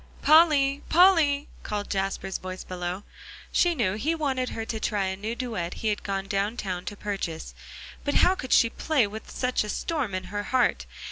"Polly Polly!" called Jasper's voice below. She knew he wanted her to try a new duet he had gone down town to purchase; but how could she play with such a storm in her heart?